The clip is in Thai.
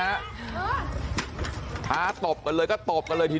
เฮ้ยเฮ้ยเฮ้ยเฮ้ยเฮ้ยเฮ้ยเฮ้ยเฮ้ย